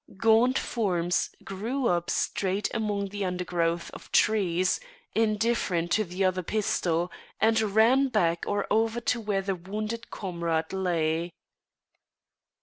Gaunt forms grew up straight among the undergrowth of trees, indifferent to the other pistol, and ran back or over to where the wounded comrade lay.